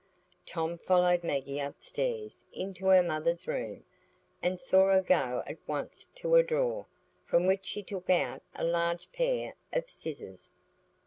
Tom followed Maggie upstairs into her mother's room, and saw her go at once to a drawer, from which she took out a large pair of scissors.